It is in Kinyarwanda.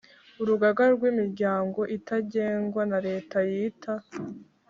Urugaga rw imiryango itagengwa na Leta yita